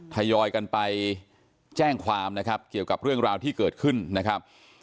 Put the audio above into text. ทยอยกันไปแจ้งความนะครับเกี่ยวกับเรื่องราวที่เกิดขึ้นนะครับ